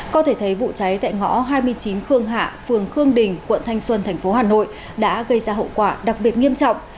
có thể thấy vụ cháy tại ngõ hai mươi chín khương hạ phường khương đình quận thanh xuân tp hà nội đã gây ra hậu quả đặc biệt nghiêm trọng